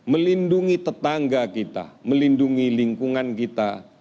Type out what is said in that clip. melindungi tetangga kita melindungi lingkungan kita